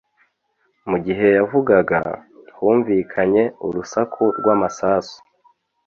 mu gihe yavugaga, humvikanye urusaku rw'amasasu